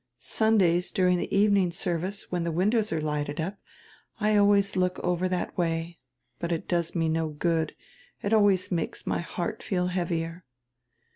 Sundays, during the evening service, when the windows are lighted up, I always look over that way; but it does me no good, it always makes my heart feel heavier."